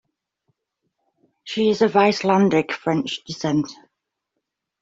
She is of Icelandic-French descent.